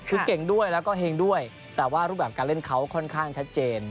คือเก่งด้วยแล้วก็เฮงด้วยแต่ว่ารูปแบบการเล่นเขาค่อนข้างชัดเจน